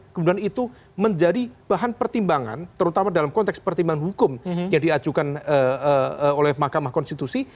kemudian itu menjadi bahan pertimbangan terutama dalam konteks pertimbangan hukum yang diajukan oleh mahkamah konstitusi